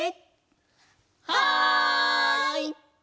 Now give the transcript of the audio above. はい！